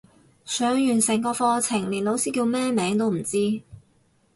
上完成個課程連老師叫咩名都唔知